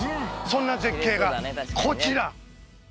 そんな絶景がこちら。